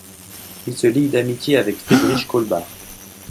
Il se lie d'amitié avec Friedrich Kaulbach.